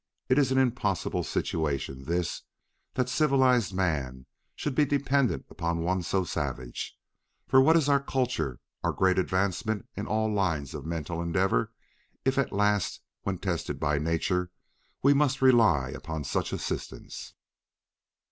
It is an impossible situation, this, that civilized men should be dependent upon one so savage. For what is our kultur, our great advancement in all lines of mental endeavor, if at the last, when tested by nature, we must rely upon such assistance?"